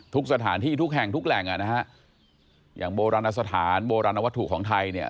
ทุกสถานที่ทุกแห่งทุกแหล่งอย่างโบราณสถานโบราณวัตถุของไทย